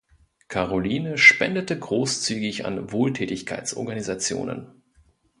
Caroline spendete großzügig an Wohltätigkeitsorganisationen.